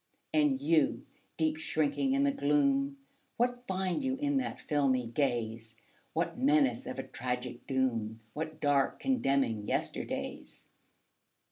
And You, deep shrinking in the gloom, What find you in that filmy gaze? What menace of a tragic doom? What dark, condemning yesterdays?